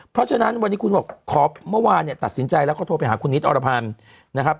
เพราะฉะนั้นวันนี้คุณบอกขอบเมื่อวานตัดสินใจแล้วก็โทรไปหาคุณนิตอรพันธุ์